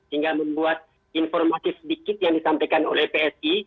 hingga membuat informasi sedikit yang disampaikan oleh psi